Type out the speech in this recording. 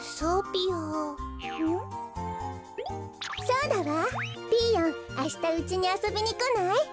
ピーヨンあしたうちにあそびにこない？